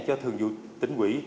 cho thường dụ tỉnh quỹ